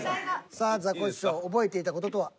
さあザコシショウ覚えていた事とは？